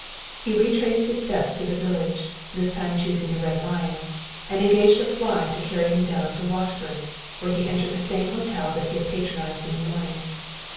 He retraced his steps to the village, this time choosing the Red Lion, and engaged a fly to carry him down into Watford, where he entered the same hotel that he had patronized in the morning.